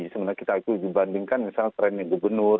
sebenarnya kita itu dibandingkan misalnya trennya gubernur